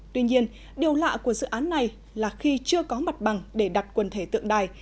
tuy nhiên điều lạ của dự án này là khi chưa có mặt bằng để đặt quần thể tượng đài